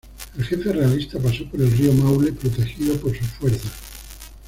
El jefe realista pasó por el río Maule protegido por sus fuerzas.